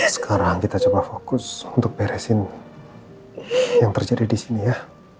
sekarang kita coba fokus untuk beresin yang terjadi di sini ya